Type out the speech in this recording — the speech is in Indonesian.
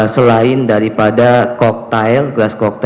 selain daripada cocktail gelas cocktail